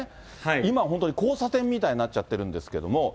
今、本当に交差点みたいになっちゃってるんですけれども。